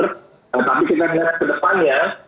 ee tapi kita lihat ke depannya